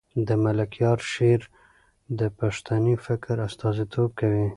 د ملکیار شعر د پښتني فکر استازیتوب کوي.